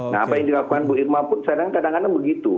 nah apa yang dilakukan bu irma pun kadang kadang begitu